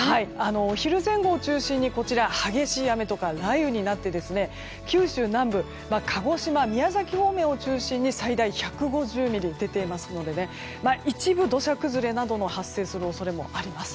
お昼前後を中心に激しい雨とか雷雨になって九州南部の鹿児島、宮崎方面を中心に最大１５０ミリと出ていますので一部、土砂崩れなども発生する恐れもあります。